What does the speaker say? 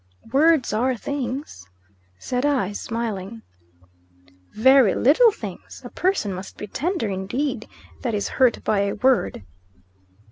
"Words are things!" said I, smiling. "Very light things! A person must be tender, indeed, that is hurt by a word."